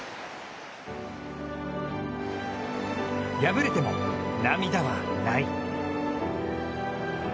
敗れても涙は、ない。